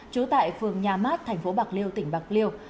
trú tại phường nhà mát thành phố bạc liêu tỉnh bạc liêu